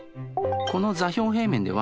この座標平面では。